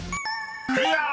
［クリア！］